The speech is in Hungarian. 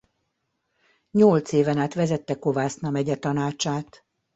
Nyolc éven át vezette Kovászna megye Tanácsát.